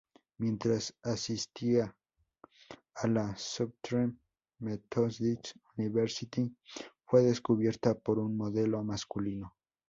Mientras asistía a la "Southern Methodist University", fue descubierta por un modelo masculino.